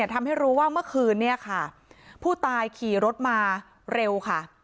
ทำให้รู้ว่าเมื่อคืนนี้ค่ะผู้ตายขี่รถมาเร็วค่ะ